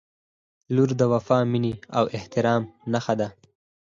• لور د وفا، مینې او احترام نښه ده.